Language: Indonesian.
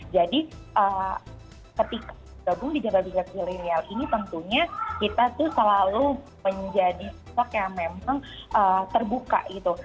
jadi ketika gabung di jabar bikas jelenial ini tentunya kita tuh selalu menjadi sok yang memang terbuka gitu